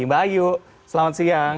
mbak ayu selamat siang